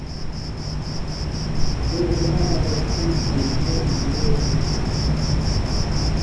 تے اِواں ملݜیۡتُوب بِرژېلوۡ وے ہِن ہو تُھو